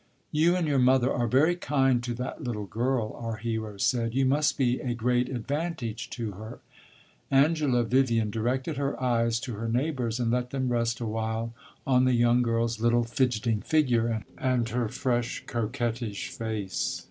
"You and your mother are very kind to that little girl," our hero said; "you must be a great advantage to her." Angela Vivian directed her eyes to her neighbors, and let them rest a while on the young girl's little fidgeting figure and her fresh, coquettish face.